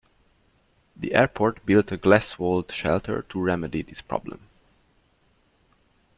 The airport built a glass-walled shelter to remedy this problem.